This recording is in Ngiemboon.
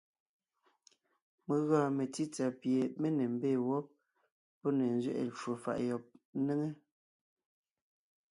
Mé gɔɔn metsítsà pie mé ne mbee wɔ́b, pɔ́ ne nzẅɛʼɛ ncwò faʼ yɔb ńnéŋe,